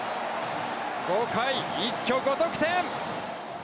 ５回、一挙５得点！